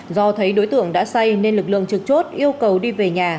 do thấy đối tượng đã say nên lực lượng trực chốt yêu cầu đi về nhà